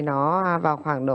nó vào khoảng độ